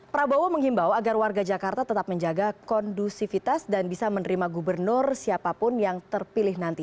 prabowo menghimbau agar warga jakarta tetap menjaga kondusivitas dan bisa menerima gubernur siapapun yang terpilih nanti